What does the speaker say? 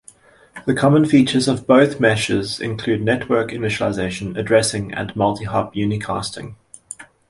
The common features of both meshes include network initialization, addressing, and multihop unicasting.